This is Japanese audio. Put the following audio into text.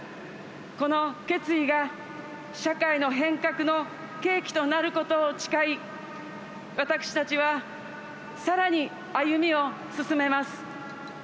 この決意が社会の変革の契機となることを誓い私たちは、さらに歩みを進めます。